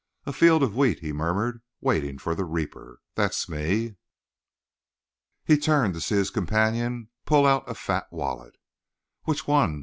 "A field of wheat," he murmured, "waiting for the reaper. That's me." He turned to see his companion pull out a fat wallet. "Which one?"